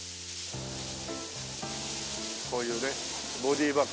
こういうねボディーバッグ。